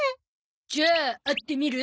じゃあ会ってみる？